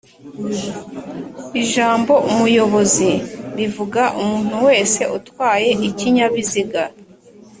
Ijambo "umuyobozi" bivuga umuntu wese utwaye ikinyabiziga